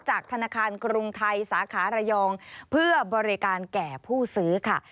ธนาคารกรุงไทยสาขาระยองเพื่อบริการแก่ผู้ซื้อค่ะ